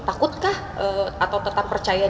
takutkah atau tetap percaya